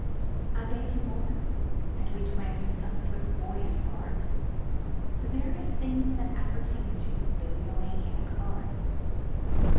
I bade him welcome, and we twainDiscussed with buoyant heartsThe various things that appertainTo bibliomaniac arts.